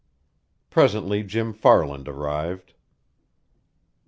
Presently Jim Farland arrived.